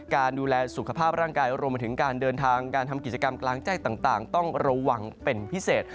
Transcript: การดูแลสุขภาพร่างกายรวมไปถึงการเดินทางการทำกิจกรรมกลางแจ้งต่างต้องระวังเป็นพิเศษ